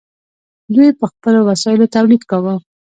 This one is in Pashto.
دوی په خپلو وسایلو تولید کاوه.